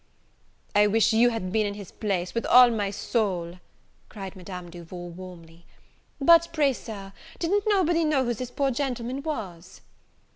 "I wish you had been in his place, with all my soul!" cried Madame Duval, warmly; "but pray, Sir, did'n't nobody know who this poor gentleman was?"